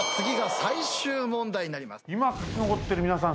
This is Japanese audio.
今勝ち残ってる皆さん